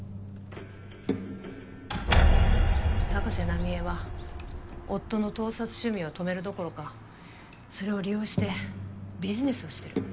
高瀬奈美江は夫の盗撮趣味を止めるどころかそれを利用してビジネスをしてる。